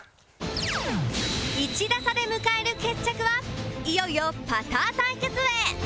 １打差で迎える決着はいよいよパター対決へ